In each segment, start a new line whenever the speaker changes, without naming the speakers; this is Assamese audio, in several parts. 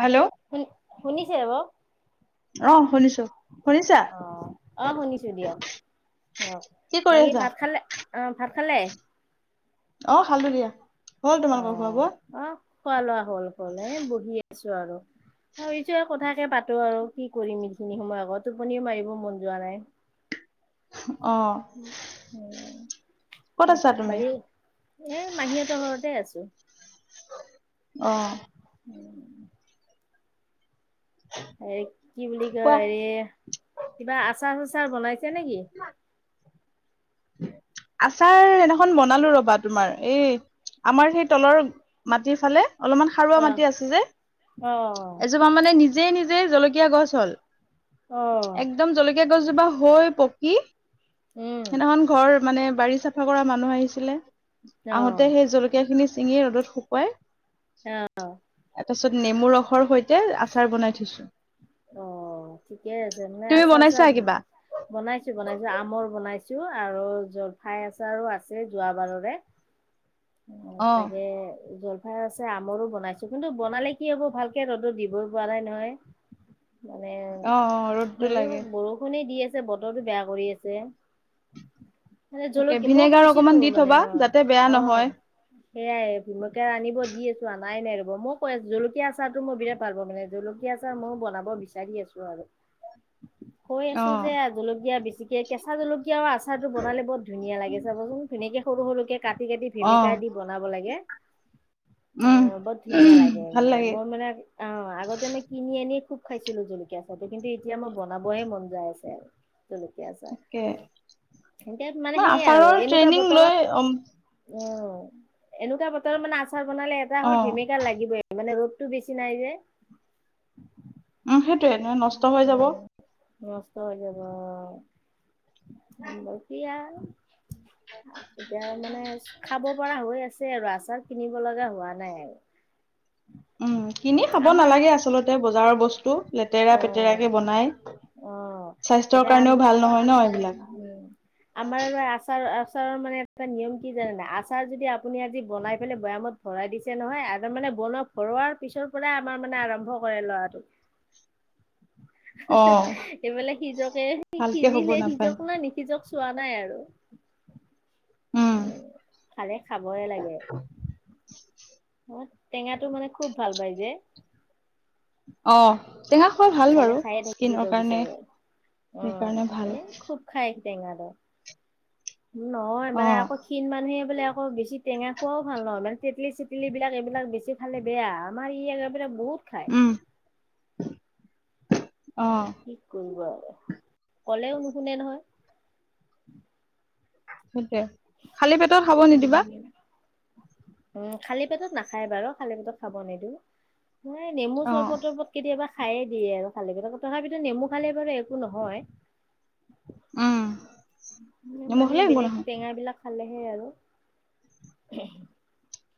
হেল্ল'
শুনি শুনিছে অ'
অ', শুনিছো শুনিছা?
অ শুনিছো দিয়ক অ',
কি কৰি
বাকী
আছা
ভাতখালে অ, ভাতখালে?
অ', খালোঁ দিয়া! হ'ল তোমালোকৰ খোৱা
অ',
বোৱা
অ', খোৱা লোৱা হ'ল হ'ল এ বহি আছোঁ আৰু। আৰু এইটোয়ে কথাকে পাতো আৰু কি কৰিম এইখিনি সময় আকৌ টোপনিও মাৰিব মন যোৱা নাই। [inaudible]
[inaudible] ক'ত
উম,
আছা তুমি
বাকী এ মাহী হঁতৰ ঘৰতে আছোঁ।
অ',
উম, এই কি বুলি
কোৱা
কয় এ কিবা আচাৰ চাচাৰ বনাইছে নেকি? [inaudible]
আচাৰ এনাখন বনালো ৰবা তোমাৰ, এই আমাৰ সেই তলৰ মাটিৰ ফালে অলপমান সাৰুৱা
অ
মাটি আছে যে,
অ
এজোপা মানে নিজে নিজে জলকীয়া গছ হ'ল।
অ',
সেই গছজোপা হৈ পকি,
উম
সদিনাখন ঘৰ মান বাৰিচ চাফা কৰা মানুহ আহিছিলে,
অ
আহোতেই সেই জলকীয়া খিনি চিঙি ৰ'দত শুকুৱাই
অ',
তাৰ পিছত নেমু ৰসৰ সৈতে আচাৰ বনাই থৈছো।
অ', ঠিকেই আছে মানে
তুমি
আছা আছো
বনাইছা কিবা
বনাইছো বনাইছো আমৰ বনাইছো [unintelligible] আৰু জলফাই আচাৰো আছে যোৱাবাৰৰে। অ', তাকে জলফাই আছে আমৰো বনাইছো কিন্তু বনালে কি হব ভালকে ৰ'দত দিব ৰ'দ হোৱা নাই নহয় মানে
অ অ ৰ'দটো
সেই
লাগে
বৰষুণে দি আছে। বতৰটো বেয়া কৰি আছে মানে
তাকে
জলকীয়া, মই
ভিনেগাৰ
কৈছিলো
অকমান দি
মানে
থবা
অ',
যাতে বেয়া
অ',
নহয়
সেয়াই জলকীয়া আনিব দি আছোঁ আনাই নাই ৰ'ব, মই কৈ আছোঁ জলকীয়া আচাৰ টো মই বিৰাত পাৰ ব' মানে জলকীয়া চাৰ মইও বনাব বিচাৰি আছোঁ আৰু। কৈ
অ
আছোঁ যে জলকীয়া বেছিকে, কেঁচা জলকীয়াৰ আচাৰটো বনালে বহুত ধুনীয়া লাগে চাবচোন ধুনীয়াকে সৰু সৰুকে কাটি কাটি
অ
ভেমেকা দি বনাব লাগে।
উম
অ', বহুত ধুনীয়া লাগে মই মানে অ', আগতে মই কিনি আনি খুব খাইছিলোঁ জলকীয়া আচাৰটো, কিন্তু এতিয়া মই বনাবহে মন যায় আছে আৰু। জলকীয়া আচাৰ,
তাকে
মানে
মই
সেইয়া আৰু
আচাৰৰ
এনেকুৱা
ট্ৰেইনিং লৈ
বতৰত
উম,
অ', এনেকুৱা বতৰত মানে আচাৰ বনালে এটা
অ
হ'ল ভিমেকা লাগিবই মানে ৰ'দ টো বেছি নাই যে।
এনে নষ্ট হৈ যাব
উম নষ্ট হৈ যাব অ', এতিয়া এতিয়া মানে খাব পৰা হৈ আছে। আৰু আচাৰ কিনিব লগা হোৱা নাই আৰু।
উম, কিনি খাব
আমাৰ
নালাগে আচলতে বজাৰৰ বস্তু। লেতেৰা পেতেৰা
অ',
কে বনাই
অ',
স্বাস্থ্যৰ
এতিয়া
কাৰণেও ভাল নহয় নহ।
আমাৰ আচাৰ। আচাৰৰ মানে এটা নিয়ম কি জানে নাই, আচাৰ যদি আপুনি আজি বনাই পেলাই বৈয়ামত ভৰাই দিছে নহয় আৰু মানে বন ভৰোৱাৰ পিছৰ পৰাই আমাৰ মানে আৰম্ভ কৰে ল'ৰাটো
অ
এইফালে সিজকে
ভালকে হ'ব
সিজিলে
নাপায়
সিজক নে নিসিজক চোৱা নাই আৰু। উম, খালে খাবই লাগে। অ', টেঙাটো মানে খুব ভাল পাই যে।
অ', টেঙা খোৱা ভাল
খালে
বাৰু
খায়ে থাকিব
স্কিনৰ কাৰণে।
বিচাৰে।
সেইকাৰণে ভাল।
টেঙা দৰ, নহয়
অ
মানে আকৌ ক্ষীণ মানুহে বোলে অ আকৌ বেছি টেঙা খোৱাও ভাল নহয়, মানে তেতলি চেটলী বিলাক এইবিলাক বেছি খালে বেয়া আমাৰ ই আগৰ পৰাই বহুত খায়।
উম,
মানে
অ
কি কৰিব আৰু কলেও নুশুনে নহয়।
সেইটোৱে খালী পেটত খাব নিদিবা।
উম, উম, খালী পেটত নাখায় বাৰু খালী পেটত খাব নিদিওঁ। নে নেমু
অ
চৰবত তৰবত কেতিয়াবা খায়ে দিয়ে আৰু খালে পেটত, তথাপিতো নেমু খালে বাৰু একো নহয়।
উম, নিমখ
মানে
হ'লে একো
বেলেগ
নহয়
টেঙা বিলাক খালেহে আৰু।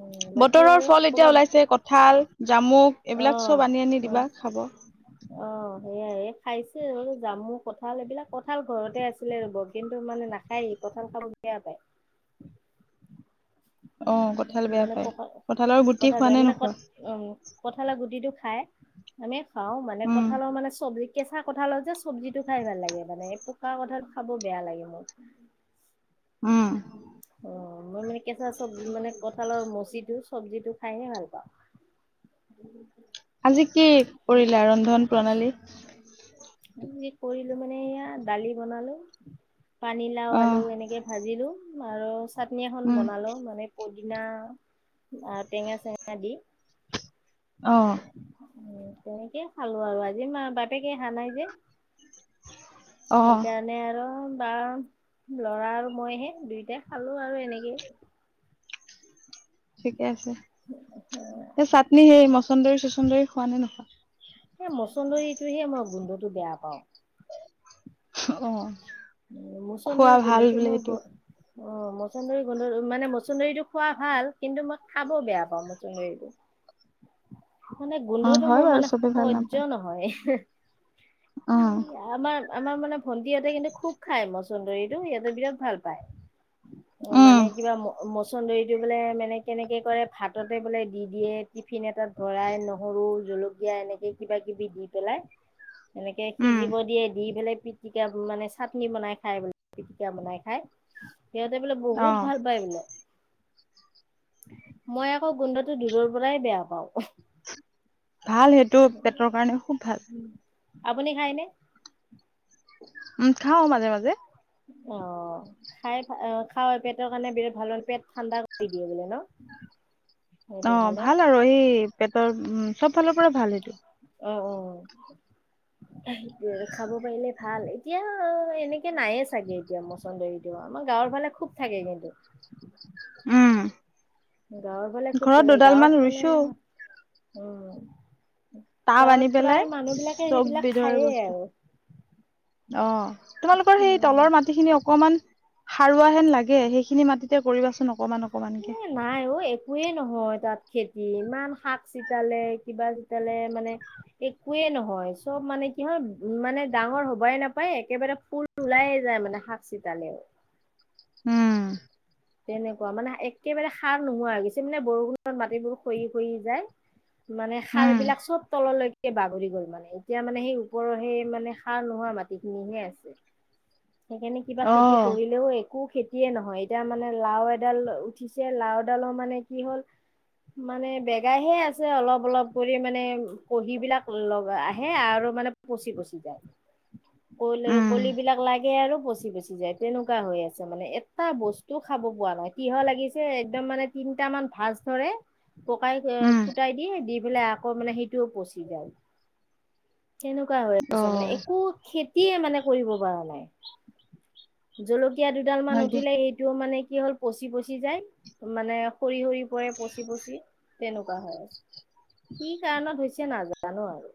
উম, বাকী
বতৰৰ
আৰু
ফল এতিয়া
ক'ৰবাত
ওলাইছে কঁঠাল, জামুক এইবিলাক
অ',
চব আনি আনি
অ'।
দিবা খাব।
অ', সেয়াই খাইছে আৰু জামু, কঁঠাল এইবিলাক কঁঠাল ঘৰতে আছিলে ৰ'ব। কিন্তু মানে নাখায় কঠাল খাব বেয়া পায়।
অ
উম,
কঁঠাল বেয়া
মানে
পায়
পকা
কঁঠালৰ গুটি
কঁঠাল
খোৱা
বেয়া
নে
মানে ক
নোখোৱা
উম, কঁঠালাৰ গুটিটো খাই আমি খাওঁ মানে
উম
কঁঠালো মানে চব্জি কেঁচা কঠালত যে চব্জিটো খাই ভাল লাগে মানে পকাৰ কঁঠাল খাব বেয়া লাগে মোৰ।
উম,
অ', মই মানে কে চা চবজি মানে কঁঠালৰ মচিটো চব্জিটো খাইহে ভাল পাওঁ।
আজি কি কৰিলে ৰন্ধন প্ৰণালী?
আ, কৰিলো মানে এয়া দালি বনালো। পানীলাও,
অ
আলু এনেকে ভাজিলোঁ আৰু চাটনি এখন
উম
বনালো মানে দিনা টেঙা চেঙা দি।
অ',
উম, তেনেকে খালো আৰু আজি মা বাপেকে আহা নাই যে।
অ
সেইকাৰণে আৰু বাৰ ল'ৰা আৰু মইহে দুয়োটাই খালো আৰু এনেকেই।
ঠিকে আছে এই চাটনি সেই মচন্দৰী চচন্দৰী খোৱা নে নোখোৱা?
এই মছন্দৰীটোহে মই গোন্ধটো বেয়া পাওঁ।
অ',
উম,
খোৱা
মছন্দৰিৰ
ভাল
গোন্ধটো
বোলে
মোৰ
এইটো
বৰ অ', মছন্দৰী গোন্ধটো মানে মছন্দৰীটো খোৱা ভাল কিন্তু মই খাব বেয়া পাওঁ মছন্দৰীটো। [inaudible] মানে
উম
গোন্ধটো
হয়
মোৰ
বাৰু
মানে
চবে ভাল
সহ্য
নাপায়
নহয়
উম
আমাৰ আমাৰ মানে ভণ্টিহঁতে কিন্তু খুব খাই মছন্দৰীটো সিহঁতে বিৰাট ভাল পায়। অ,,
উম
মানে কিবা মচন্দৰীটো বোলে মানে কেনেকে কৰে ভাততে বোলে দি দিয়ে টিফিন এটাত ভৰাই নহৰু জলকীয়া এনেকে কিবা কিবি দি পেলাই। এনেকে
উম
সিজিব দিয়ে দি পেলাই পিটিকা মানে চাটনি বনাই খাই বোলে, পিটিকা বনাই খাই, সিহঁতে বোলে বহুত
অ
ভাল পায় বোলে। মই আকৌ গোন্ধটো দূৰৰ পৰাই বেয়া পাওঁ।
ভাল সেইটো পেটৰ কাৰণে খুব ভাল।
আপুনি খাইনে?
উম, খাওঁ মাজে মাজে।
অ', খাই অ, খাই পেটৰ কাৰণে বিৰাট ভাল, পেট ঠাণ্ডা কৰি দিয়ে বোলে ন? [inaudible]
অ'
খালে
ভাল আৰু এই পেটৰ উম, চব ফালৰ পৰা ভাল সেইটো।
অ', অ', খাব পাৰিলে ভাল এতিয়া এনেকে নায়ে চাগে এতিয়া মছন্দৰীটো আমাৰ গা গাঁৱৰ ফালে খুব থাকে কিন্তু।
উম,
গাঁৱৰ ফালে খুব
ঘৰত
জোগা
দুডাল মান
গাঁৱত মানে
ৰুইছো
উম,
টা বানি
গাঁৱত প্ৰায়
পেলাই
মানুহ বিলাকে
চব
সেইবিলাক
বিধৰে
খায়েই
বস্তু।
আৰু
অ', তোমালোকৰ সেই
উম
তলৰ মাটিখিনি অকমান সাৰুৱা হেন লাগে সেইখিনি মাটিতে কৰিবাচোন অকমান অকমানকে
নাই অ, একোৱে নহয় তাত। খেতি ইমান শাক ছিটালে কিবা ছিটালে মানে একোয়ে নহয় চব মানে কি হয় উম, মানে ডাঙৰ হবাই নাপায় একেবাৰে ফুল উলাইে যায় মানে শাক চিতালে শ [inaudible]
উম,
তেনেকুৱা মানে একেবাৰে সাৰ নোহোৱা হৈ গৈছে, মানে বৰষুণত মাটিবোৰ খহি খহি যায়। মানে সাৰ
উম
বিলাক চব তললৈ বাগৰি গ'ল মানে, এতিয়া মানে সেই ওপৰৰ সেই মানে সাৰ নোহোৱা মাটি খিনিহে আছে। সেইকাৰণে কিবা
অ
খেতি কৰিলেও একো খেতিয়ে নহয় এতিয়া মানে লাও এডাল উঠিছে লাও ডালৰ মানে কি হ'ল মানে বেগাই হে আছে অলপ অলপ কৰি মানে পহি বিলাক লগ আহে আৰু আৰু মানে পচি পচি যায়। কল
উম
কলিবিলাক লাগে আৰু পচি পচি যায় তেনেকুৱা হৈ আছে মানে এটা বস্তু টো খাব পোৱা নাই, তিহ লাগিছে একদম মানে তিনটা মান ভাজ ধৰে পকাই
উম
ফুটাই দি, দি পেলাই আকৌ মানে সেইটোও পচি যায়। তেনেকুৱা হৈ
অ
আছে মানে একো খেতিয়ে মানে কৰিব পৰা নাই, জল এতিয়া দুডালমান
হয় দিয়া
উঠিলে এই মানে কি হ'ল পচি পচি যায়, মানে সৰি সৰি পৰে পচি পচি তেনেকুৱা হয় আছে। কি কাৰণত হৈছে নাজানো আৰু।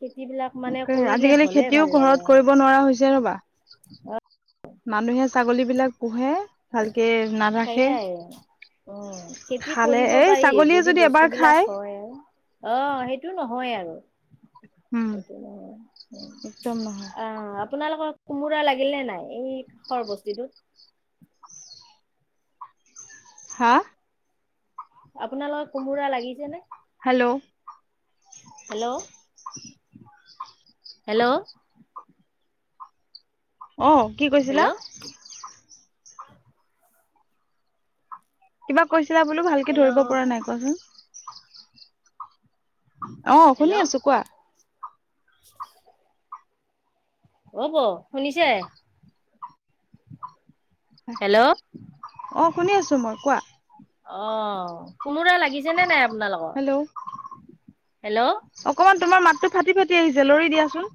খেতিবিলাক মানে
তাকে
কৰিলে
আজিকালি
হলে
খেতিও
ভাল
ঘৰত
লাগে।
কৰিব নোৱাৰা হৈছে ৰবা মানুহে ছাগলী বিলাক পোহে ভালকে নাৰাখে।
অ', খেতি
খালে
কৰিব
এই
পাৰি
ছাগলীয়ে
যদি
এবাৰ
বস্তু বিলাক
খায়
হয় অ, সেইটো নহ হয় আৰু
উম
সেইটো নহয়
একদম নহয়।
আ, আপোনালোকৰ কোমোৰা লাগিল নে নাই এই কাষৰ বস্তিটোত?
হা?
আপোনাৰ লগত কোমোৰা লাগিছে নে?
হেল্ল'
হেল্ল' হেল্ল'
অ' কি কৈছিলা?
হেল্ল' [inaudible]
কিবা কৈছিলা বোলো ভালকে ধৰিব পৰা নাই কোৱাচোন। অ', শুনি
হেল্ল'
আছোঁ কোৱা।
হ'ব শুনিছে? হেল্ল' অ',
অ শুনি আছো মই কোৱা।
অ', কোমোৰা লাগিছে নে নাই? আপোনালোকৰ?
হেল্ল'
হেল্ল'
অকমান তোমাৰ মাত টো ফাটি ফাটি আহিছে লৰি দিয়াচোন।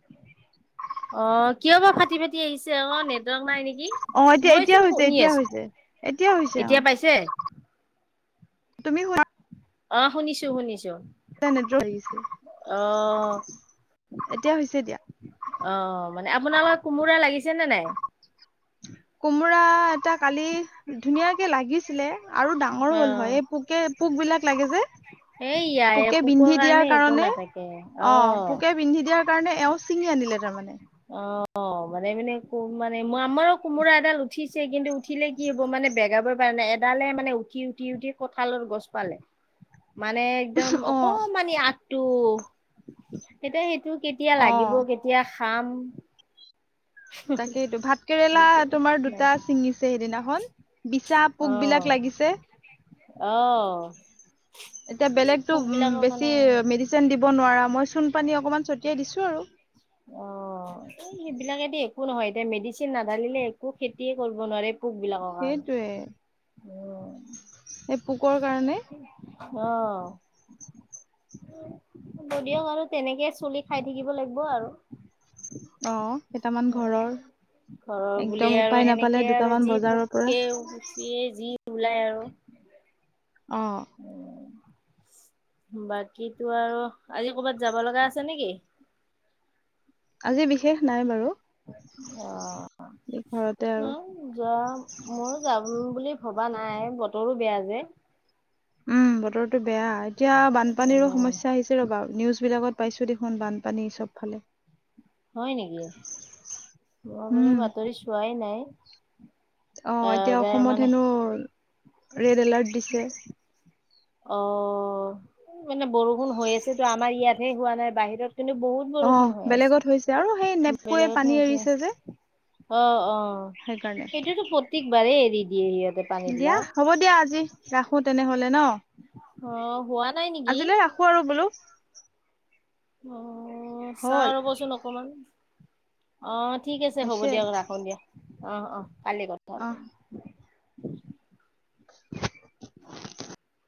অ' কিয় বা ফাটি ফাাটি আহিছে অ, নেটৱৰ্ক নাই নেকি।
অ' এতিয়া এতিয়া
মইচোন
হৈছে,
শুনি
এতিয়া
আছো।
হৈছে, এতিয়া হৈছে অ,
এতিয়া পাইছে?
তুমি শু
অ', শুনিছো শুনিছো।
নিদ্ৰ হৈছে।
অ'
দিয়া।
অ', মানে আপোনালোকৰ কোমোৰা লাগিছে নে নাই?
কোমোৰা এটা কালি ধুনীয়াকে লাগিছিলে আৰু ডাঙৰ হ'ল
অ'
হয় এই পোকে পোক বিলাক লাগে যে
এইয়া এই
পোকে
পোকৰ
বিন্ধি দিয়াৰ
একো
কাৰণে
নাথাকে
অ, পোকে বিন্ধি দিয়াৰ কাৰণে এওঁ ছিঙি আনি দিলে তাৰমানে।
অ', অ', মানে মানে ক মানে ম আমাৰো কোমোৰা এডাল উঠিছে কিন্তু উঠিলে কি হ'ব মানে বেগাবৈ পাৰা এডালে মানে উঠি, উঠি, উঠি কঁঠালৰ গছ পালে। মানে একদম
অ
অকণমান আগটো এতিয়া সেই টো কেতিয়া
অ
লাগিব কেতিয়া খাম।
তাকেইটো ভাত
কি
কেৰেলা
কৰিম।
তোমাৰ
নাই
দুটা ছিঙিছে সেইদিনা দিনাখন বিছা পোক
অ',
বিলাক লাগিছে।
অ',
এতিয়া
এই
বেলেগতো
পোক বিলাকৰ কাৰণে
বেছি মেডিচিন দিব নোৱাৰা মই চূণ পানী অকণমান ছটিয়াই দিছো আৰু।
অ', এই সেইবিলাকেদি একো নহয় এতিয়া মেডিচিন নাধালিলে একো খেতিয়ে কৰিব নোৱাৰে পোক বিলাকৰ কাৰণে।
সেইটোয়ে
উম,
এই পোকৰ কাৰণে
অ', দিয়ক আৰু তেনেকে চুলি খাই থাকিব লাগিব আৰু।
অ', কেইটামান ঘৰৰ
ঘৰৰ বুলি
একদম
আৰু
উপায় নাপালে
সেনেকে আৰু
দুটামান
যি
বজাৰৰ পৰা
পোকে উচিয়ে যি ওলাই আৰু।
অ',
বাকিতো আৰু আজি কৰ'বাত যাব লগা আছে নেকি?
আজি বিশেষ নাই বাৰু। ঘৰতে আৰু
অ' উম, যোৱা মই যাব উম, বুলি ভবা নাই বতৰো বেয়া যে।
উম, বতৰটো বেয়া এতিয়া বানপানীৰো সমস্যা আহিছে ৰ'বা নিউজ বিলাকত পাইছো দেখোন বানপানী চব ফালে।
হয় নেকি, মই বাৰু
উম,
বাতৰি চোৱাই নাই।
অ', এতিয়া
এবাৰ
অসমত
মানে
হেনো ৰেড এলাৰ্ট দিছে।
অ', মানে বৰষুণ হৈ আছেতো আমাৰ ইয়াতহে হোৱা নাই বাহিৰত কিন্তু বহুত
অ',
বৰষুণ হৈ
বেলেগত
আছে,
হৈছে আৰু সেই নেপকুৱে
বেলেগত
পানী
হৈ আছে
এৰিছে যে
অ', অ',
সেইকাৰণে,
সেইটোতো প্ৰত্যেকবাৰেই এৰি দিয়ে সিহঁতে
দিয়া
পানীবিলাক।
হব দিয়া আজি ৰাখো তেনেহলে ন। [inaudible]
অ', শুৱা
আজিলৈ ৰাখো আৰু বোলো।
অ', চাওঁ
হ'ল
ৰ'বচোন অকমান অ', ঠিক আছে হ'ব
হৈছে
দিয়ক ৰাখো দিয়া অ', অ', কালি কথা
অ'।
পাতিম।
[inaudible]